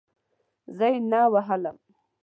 زه یې نه وهم.